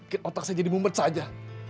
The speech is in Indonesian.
pikir otak saya jadi mumet saja